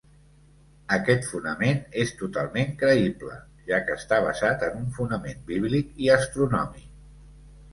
Aquest fonament és totalment creïble, ja que està basat en un fonament bíblic i astronòmic.